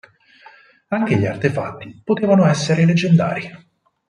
Anche gli artefatti potevano essere leggendari.